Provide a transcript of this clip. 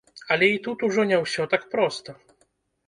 Але і тут ужо не ўсё так проста.